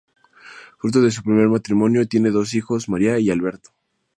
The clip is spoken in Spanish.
Fruto de su primer matrimonio, tiene dos hijos, María y Alberto.